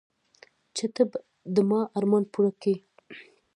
چې ته به د ما ارمان پوره كيې.